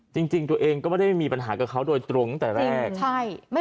จริงตัวเองก็ไม่ได้มีปัญหากับเขาโดยตรงตั้งแต่แรก